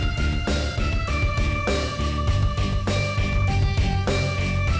berarti abah sekarang mengizinkan ya